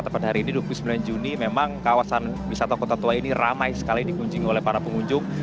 tepat hari ini dua puluh sembilan juni memang kawasan wisata kota tua ini ramai sekali dikunjungi oleh para pengunjung